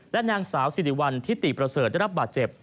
และนางสาวสิริวัลทิติประเสริฐได้รับบาดเจ็บ